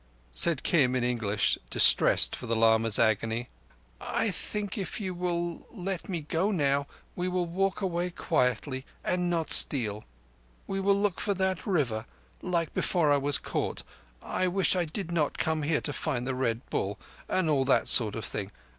Said Kim in English, distressed for the lama's agony: "I think if you will let me go now we will walk away quietly and not steal. We will look for that River like before I was caught. I wish I did not come here to find the Red Bull and all that sort of thing.